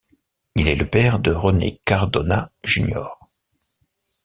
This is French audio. Il est le père de René Cardona Jr.